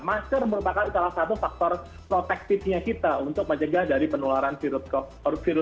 masker merupakan salah satu faktor protektifnya kita untuk menjaga dari penularan virus covid sembilan belas ini